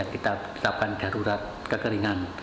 kita tetapkan darurat kekeringan